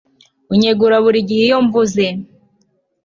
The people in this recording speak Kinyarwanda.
unyegura buri gihe iyo mbuze